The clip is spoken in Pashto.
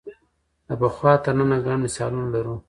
له پخوا تر ننه ګڼ مثالونه لرو